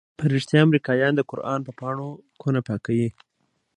په رښتيا امريکايان د قران په پاڼو كونه پاكيي؟